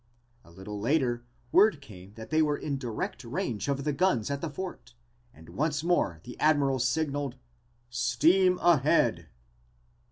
A little later word came that they were in direct range of the guns at the fort and once more the Admiral signaled "Steam ahead."